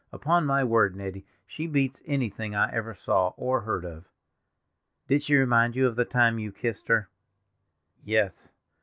"Upon my word, Nettie, she beats anything I ever saw or heard of." "Did she remind you of the time you kissed her?" "Yes!"